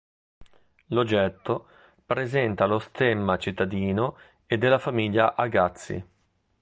L'oggetto presenta lo stemma cittadino e della famiglia Agazzi.